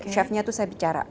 chefnya itu saya bicara